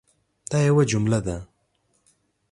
دا یوه جمله ده